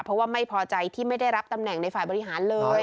เพราะว่าไม่พอใจที่ไม่ได้รับตำแหน่งในฝ่ายบริหารเลย